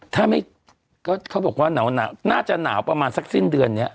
ถ้าไม่ก็เขาบอกว่าหนาวน่าจะหนาวประมาณสักสิ้นเดือนนี้